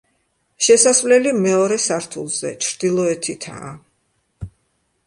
შესასვლელი მეორე სართულზე, ჩრდილოეთითაა.